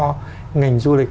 các doanh nghiệp du lịch